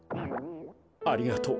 ありがとう。